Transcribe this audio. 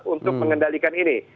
untuk mengendalikan ini